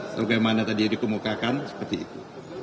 atau bagaimana tadi dikemukakan seperti itu